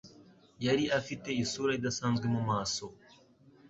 Yari afite isura idasanzwe mu maso.